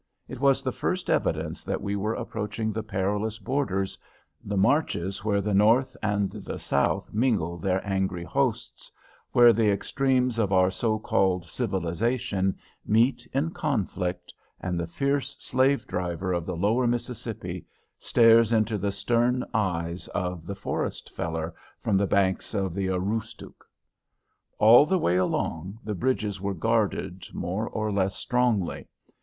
It was the first evidence that we were approaching the perilous borders, the marches where the North and the South mingle their angry hosts, where the extremes of our so called civilization meet in conflict, and the fierce slave driver of the Lower Mississippi stares into the stern eyes of the forest feller from the banks of the Aroostook. All the way along, the bridges were guarded more or less strongly.